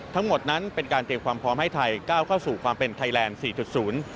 ทั้งหมดนั้นเป็นการเตรียมความพร้อมให้ไทยก้าวเข้าสู่ความเป็นไทยแลนด์สี่จุดศูนย์